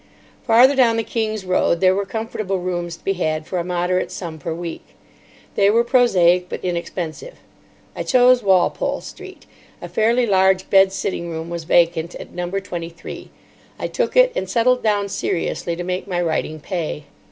Farther down the King's Road there were comfortable rooms to be had for a moderate sum per week. They were prosaic, but inexpensive. I chose Walpole Street. A fairly large bed sitting room was vacant at No. 23. I took it, and settled down seriously to make my writing pay.